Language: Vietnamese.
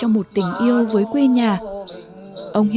rồi là tình yêu đôi lứa này